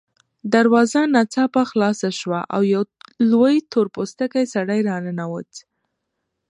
دروازه ناڅاپه خلاصه شوه او یو لوی تور پوستکی سړی راننوت